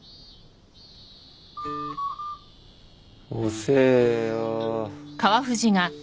遅えよ。